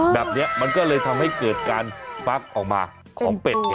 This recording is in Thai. แบบนี้มันก็เลยทำให้เกิดการฟักออกมาของเป็ด